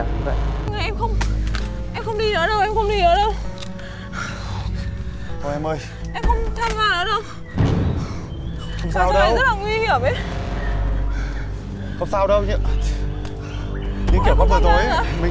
như kiểu mắt vừa tối